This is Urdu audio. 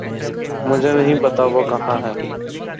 مجھے نہیں پتا وہ کہاں ہے